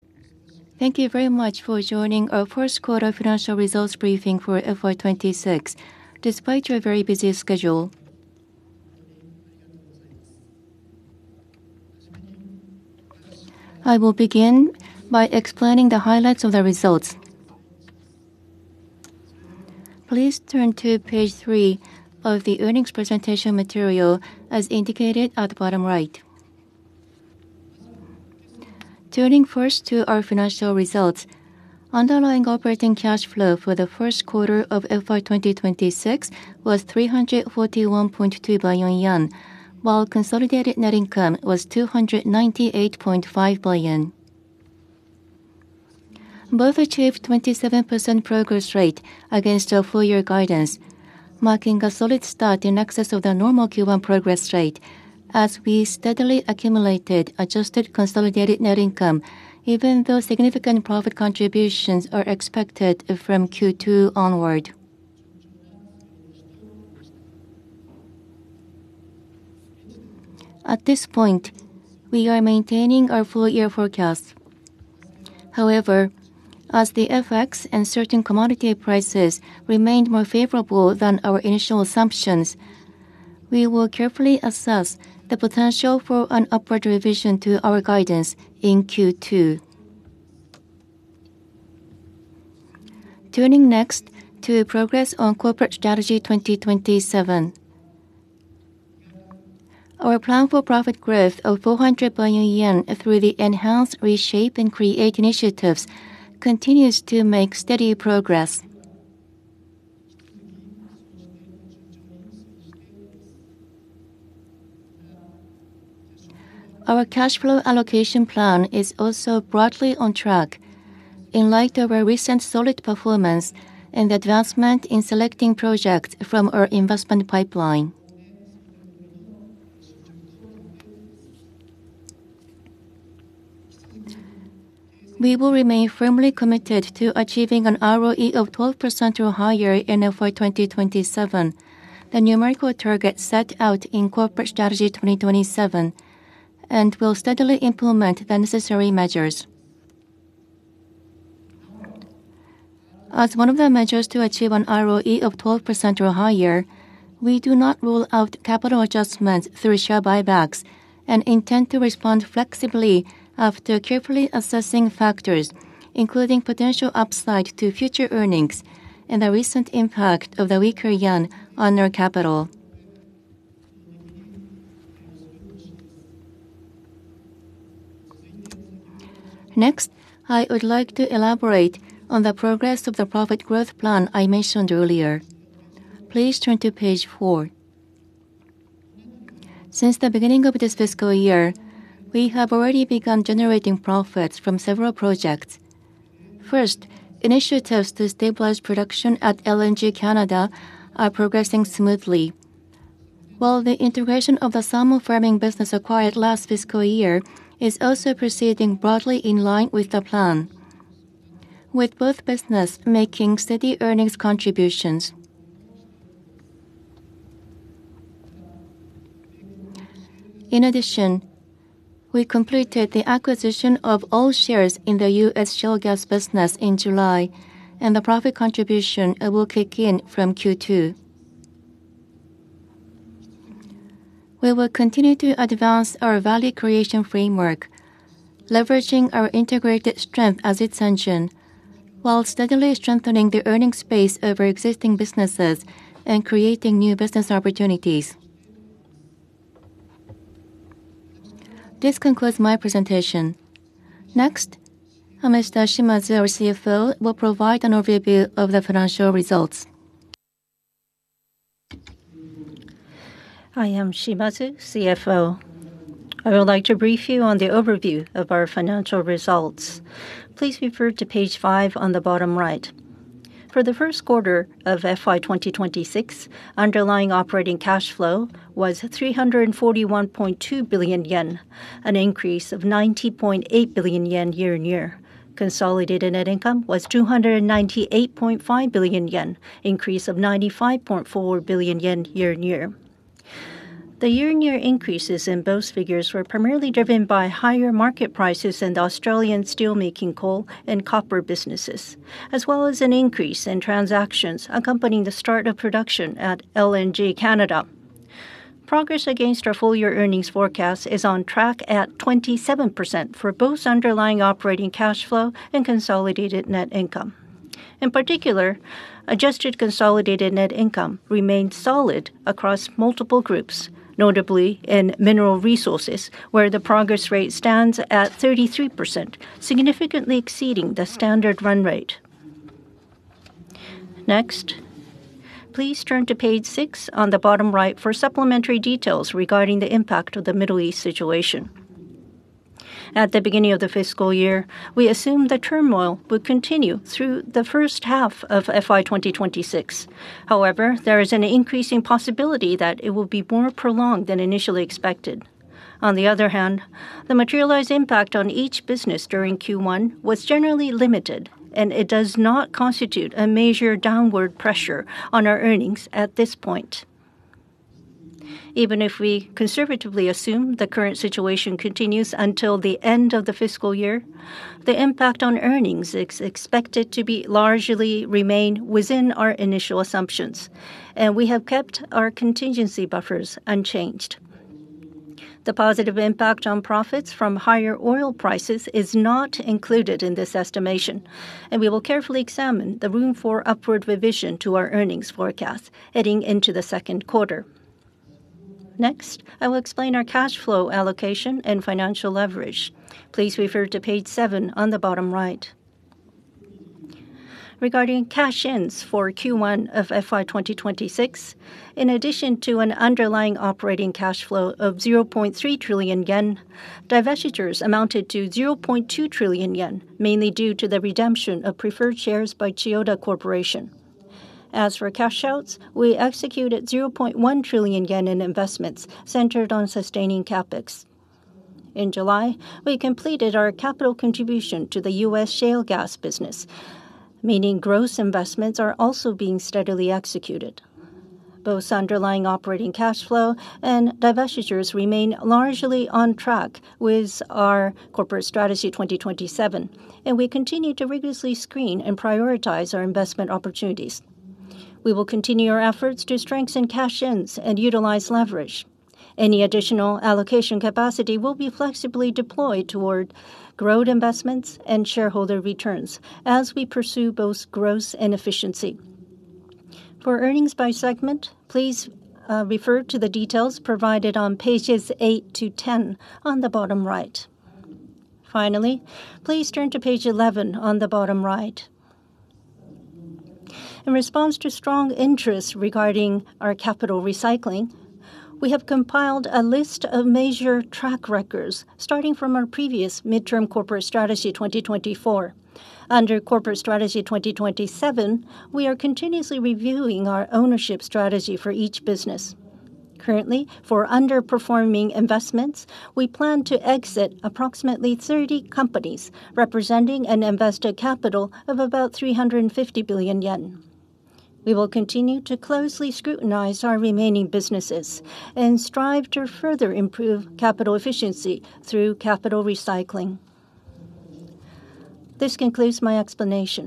Thank you very much for joining our first quarter financial results briefing for FY 2026, despite your very busy schedule. I will begin by explaining the highlights of the results. Please turn to page three of the earnings presentation material, as indicated at the bottom right. Turning first to our financial results. Underlying operating cash flow for the first quarter of FY 2026 was 341.2 billion yen, while consolidated net income was 298.5 billion. Both achieved 27% progress rate against our full year guidance, marking a solid start in excess of the normal Q1 progress rate as we steadily accumulated adjusted consolidated net income even though significant profit contributions are expected from Q2 onward. At this point, we are maintaining our full year forecast. As the FX and certain commodity prices remained more favorable than our initial assumptions, we will carefully assess the potential for an upward revision to our guidance in Q2. Turning next to progress on Corporate Strategy 2027. Our plan for profit growth of 400 billion yen through the Enhance, Reshape, and Create initiatives continues to make steady progress. Our cash flow allocation plan is also broadly on track in light of our recent solid performance and advancement in selecting projects from our investment pipeline. We will remain firmly committed to achieving an ROE of 12% or higher in FY 2027, the numerical target set out in Corporate Strategy 2027, and will steadily implement the necessary measures. As one of the measures to achieve an ROE of 12% or higher, we do not rule out capital adjustments through share buybacks and intend to respond flexibly after carefully assessing factors, including potential upside to future earnings and the recent impact of the weaker JPY on our capital. I would like to elaborate on the progress of the profit growth plan I mentioned earlier. Please turn to page four. Since the beginning of this fiscal year, we have already begun generating profits from several projects. First, initiatives to stabilize production at LNG Canada are progressing smoothly, while the integration of the salmon farming business acquired last fiscal year is also proceeding broadly in line with the plan, with both business making steady earnings contributions. In addition, we completed the acquisition of all shares in the U.S. shale gas business in July, and the profit contribution will kick in from Q2. We will continue to advance our value creation framework, leveraging our integrated strength as its engine while steadily strengthening the earnings base over existing businesses and creating new business opportunities. This concludes my presentation. Hamada Shimazu, our CFO, will provide an overview of the financial results. I am Shimazu, CFO. I would like to brief you on the overview of our financial results. Please refer to page five on the bottom right. For the first quarter of FY 2026, underlying operating cash flow was 341.2 billion yen, an increase of 90.8 billion yen year-on-year. Consolidated net income was 298.5 billion yen, increase of 95.4 billion yen year-on-year. The year-on-year increases in both figures were primarily driven by higher market prices in the Australian steelmaking coal and copper businesses, as well as an increase in transactions accompanying the start of production at LNG Canada. Progress against our full year earnings forecast is on track at 27% for both underlying operating cash flow and consolidated net income. In particular, adjusted consolidated net income remained solid across multiple groups, notably in mineral resources, where the progress rate stands at 33%, significantly exceeding the standard run rate. Please turn to page six on the bottom right for supplementary details regarding the impact of the Middle East situation. At the beginning of the fiscal year, we assumed the turmoil would continue through the first half of FY 2026. There is an increasing possibility that it will be more prolonged than initially expected. On the other hand, the materialized impact on each business during Q1 was generally limited, and it does not constitute a major downward pressure on our earnings at this point. Even if we conservatively assume the current situation continues until the end of the fiscal year, the impact on earnings is expected to be largely remain within our initial assumptions, and we have kept our contingency buffers unchanged. The positive impact on profits from higher oil prices is not included in this estimation, and we will carefully examine the room for upward revision to our earnings forecast heading into the second quarter. I will explain our cash flow allocation and financial leverage. Please refer to page seven on the bottom right. Regarding cash-ins for Q1 of FY 2026, in addition to an underlying operating cash flow of 0.3 trillion yen, divestitures amounted to 0.2 trillion yen, mainly due to the redemption of preferred shares by Chiyoda Corporation. As for cash outs, we executed 0.1 trillion yen in investments centered on sustaining CapEx. In July, we completed our capital contribution to the U.S. shale gas business, meaning gross investments are also being steadily executed. Both underlying operating cash flow and divestitures remain largely on track with our Corporate Strategy 2027, and we continue to rigorously screen and prioritize our investment opportunities. We will continue our efforts to strengthen cash-ins and utilize leverage. Any additional allocation capacity will be flexibly deployed toward growth investments and shareholder returns as we pursue both growth and efficiency. For earnings by segment, please refer to the details provided on pages eight to 10 on the bottom right. Please turn to page 11 on the bottom right. In response to strong interest regarding our capital recycling, we have compiled a list of major track records starting from our previous Midterm Corporate Strategy 2024. Under Corporate Strategy 2027, we are continuously reviewing our ownership strategy for each business. Currently, for underperforming investments, we plan to exit approximately 30 companies, representing an invested capital of about 350 billion yen. We will continue to closely scrutinize our remaining businesses and strive to further improve capital efficiency through capital recycling. This concludes my explanation.